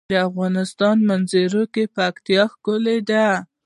د افغانستان په منظره کې پکتیا ښکاره ده.